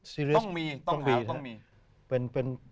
ต้องมีต้องหาต้องมี